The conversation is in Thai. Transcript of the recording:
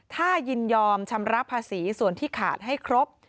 ถ้ายินยอมชำระภาษีส่วนที่ขาดให้ครบ